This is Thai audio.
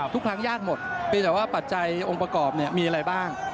ทุกครั้งยากหมดเพียงแต่ว่าปัจจัยองค์ประกอบมีอะไรบ้าง